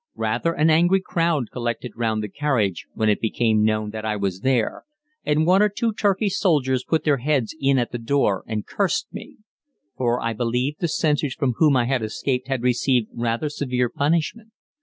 Rather an angry crowd collected round the carriage when it became known that I was there, and one or two Turkish soldiers put their heads in at the door and cursed me; for I believe the sentries from whom I had escaped had received rather severe punishment.